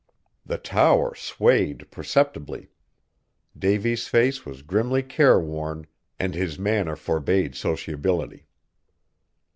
The tower swayed perceptibly. Davy's face was grimly careworn, and his manner forbade sociability.